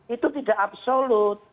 itu tidak absolut